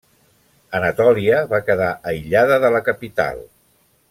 Anatòlia va quedar aïllada de la capital.